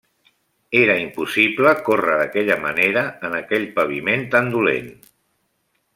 Era impossible córrer d'aquella manera en aquell paviment tan dolent!